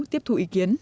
tiếp thủ ý kiến